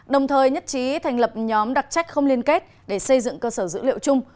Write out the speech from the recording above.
đồng thời nhất trí thành lập nhóm đặc trách không liên kết để xây dựng cơ sở dữ liệu chung